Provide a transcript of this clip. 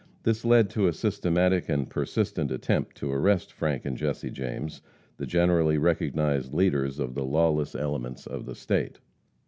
This led to a systematic and persistent attempt to arrest Frank and Jesse James, the generally recognized leaders of the lawless elements of the State.